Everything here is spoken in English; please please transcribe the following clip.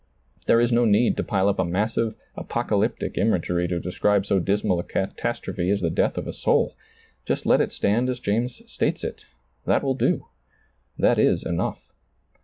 There is no need to pile up a massive, apocalyptic imagery to describe so dismal a catas trophe as the death of a soul. Just let it stand as James states it; that will do, that is enough.